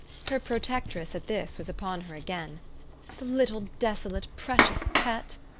Her protectress, at this, was upon her again. "The little desolate precious pet!"